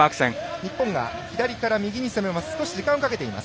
日本が左から右に攻めます。